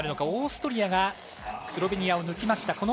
オーストリアがスロベニアを抜きました。